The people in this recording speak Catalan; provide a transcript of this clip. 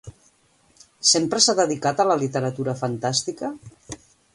Sempre s'ha dedicat a la literatura fantàstica?